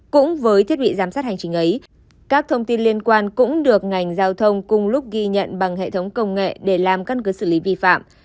cũng với thiết bị giám sát hành trình ấy các thông tin liên quan cũng được ngành giao thông cùng lúc ghi nhận bằng hệ thống công nghệ để làm căn cứ xử lý vi phạm